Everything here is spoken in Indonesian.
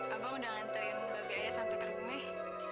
abang udah nganterin babi ayah sampai ke regumeh